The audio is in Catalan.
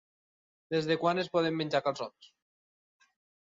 Des de quan es poden menjar calçots?